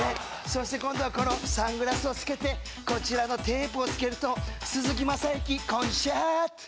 そして今度はこのサングラスを付けてこちらのテープを付けると鈴木雅之コンシャート！